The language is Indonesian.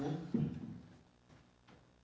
menetapkan hasil perolehan suara yang benar